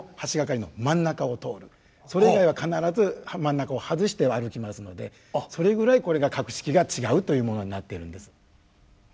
それ以外は必ず真ん中を外して歩きますのでそれぐらいこれが格式が違うというものになっているんです。